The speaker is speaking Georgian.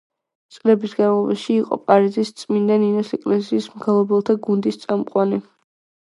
წლების განმავლობაში იყო პარიზის წმინდა ნინოს ეკლესიის მგალობელთა გუნდის წამყვანი.